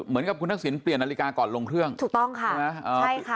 เหมือนกับคุณทักษิณเปลี่ยนนาฬิกาก่อนลงเครื่องถูกต้องค่ะใช่ไหมเออใช่ค่ะ